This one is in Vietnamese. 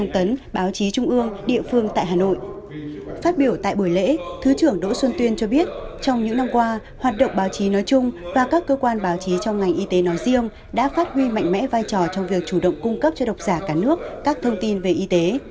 trong những năm qua hoạt động báo chí nói chung và các cơ quan báo chí trong ngành y tế nói riêng đã phát huy mạnh mẽ vai trò trong việc chủ động cung cấp cho độc giả cả nước các thông tin về y tế